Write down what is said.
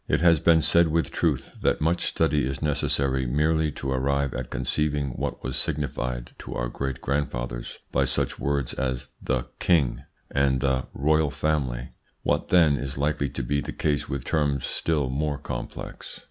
It has been said with truth that much study is necessary merely to arrive at conceiving what was signified to our great grandfathers by such words as the "king" and the "royal family." What, then, is likely to be the case with terms still more complex?